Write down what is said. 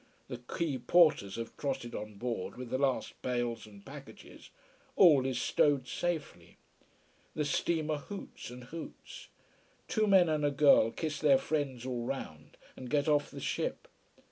The quay porters have trotted on board with the last bales and packages all is stowed safely. The steamer hoots and hoots. Two men and a girl kiss their friends all round and get off the ship.